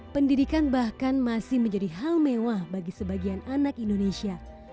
pendidikan bahkan masih menjadi hal mewah bagi sebagian anak indonesia